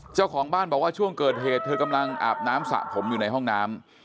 เจ้าของบ้านบอกว่าช่วงเกิดเหตุเธอกำลังอาบน้ำสระผมอยู่ในห้องน้ำ